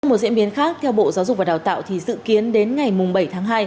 một diễn biến khác theo bộ giáo dục và đào tạo thì dự kiến đến ngày bảy tháng hai